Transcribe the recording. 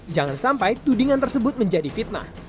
jangan sampai tudingan tersebut menjadi fitnah